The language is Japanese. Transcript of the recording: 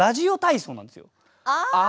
ああ！